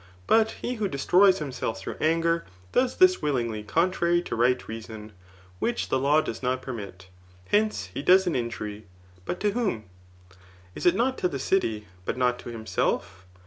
But he who destroys himself through anger, does this willfaigly contrary to right reason, which the law does not permit* Hence, he does an injury ; but to wjhom ? Is it not to the city, but not to himself?